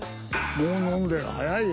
もう飲んでる早いよ。